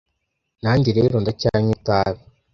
nanjye rero ndacyanywa itabi